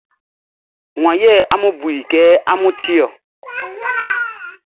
Wan yɛ amun bu i kɛ amun ti ɔ?